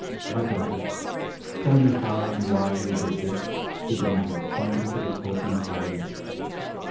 "My daughter, tell me how and why you did this?" he demanded, pointing to the open volume.